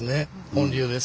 本流です。